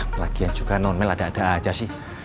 pelagi yang juga non male ada ada aja sih